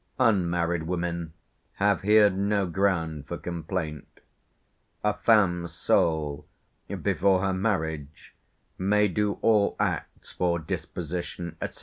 Unmarried women have here no ground for complaint: "A feme sole, before her marriage, may do all acts for disposition, etc.